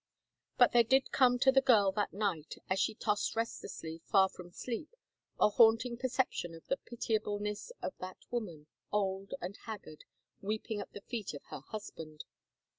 But there did come to the girl that night, as she tossed restlessly, far from sleep, a haunting perception of the pitiableness of that woman, old and haggard, weeping at the feet of her husband.